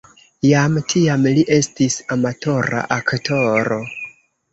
Jam tiam li estis amatora aktoro.